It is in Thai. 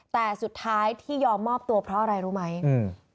แต่สุดท้ายที่ยอมมอบตัวเพราะอะไรรู้ไหมอืม